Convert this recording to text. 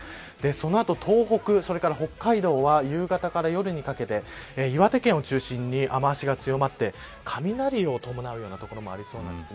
その後、東北、北海道は夕方から夜にかけて岩手県を中心に雨脚が強まって雷を伴うような所もありそうです。